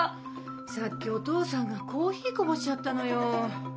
さっきお父さんがコーヒーこぼしちゃったのよ。